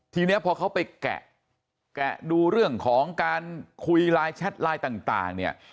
ทีนี้พอเขาไปแกะดูเรื่องของการคุยไลน์แชทไลน์ต่างเนี่ย